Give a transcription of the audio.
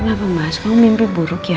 kenapa mas kamu mimpi buruk ya